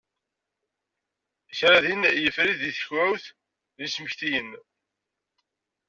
Kra din yeffer-it deg tekwat n yismektiyen.